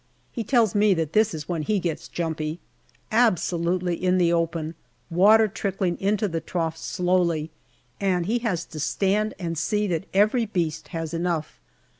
He tells me that this is when he gets jumpy. Absolutely in the open water trickling into the troughs slowly and he has to stand and see that every beast has enough.